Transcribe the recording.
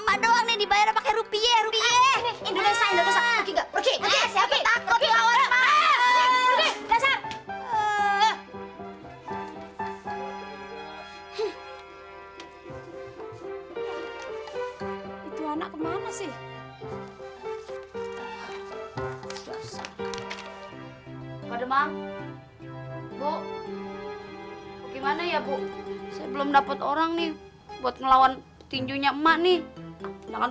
mada orang ini dibayar pakai rupiah rupiah ini bisa bisa pergi pergi takut lawan